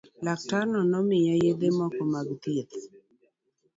Laktarno nomiye yedhe moko mag thieth.